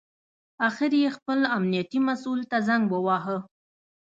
اخر یې خپل امنیتي مسوول ته زنګ وواهه.